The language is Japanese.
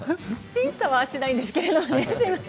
審査はしないんですけどね。